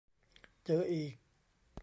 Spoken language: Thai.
เจออีก